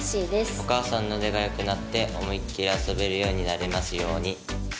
「お母さんの腕が良くなって思いっきり遊べるようになりますように」。